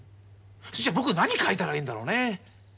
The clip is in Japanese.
それじゃ僕何描いたらいいんだろうね？